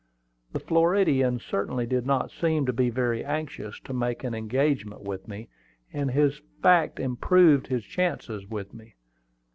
The Floridian certainly did not seem to be very anxious to make an engagement with me; and this fact improved his chances with me.